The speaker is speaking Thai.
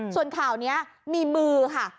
ส่วนข่าวนี้มีมือค่ะ